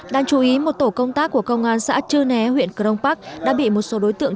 đáng chú ý một tổ công tác của công an xã chư né huyện crong park đã bị một số đối tượng